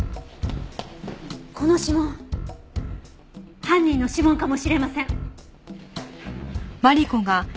この指紋犯人の指紋かもしれません！